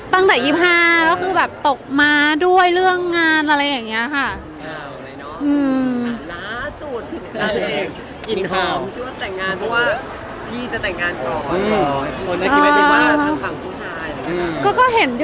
ตั้งแต่ยี่สิบห้าแล้วก็คือแบบตกมาด้วยเรื่องงานอะไรอย่างเงี้ยค่ะอืม